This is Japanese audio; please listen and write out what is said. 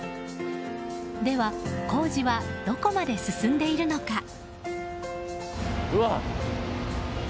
では、工事はどこまで進んでいるのか。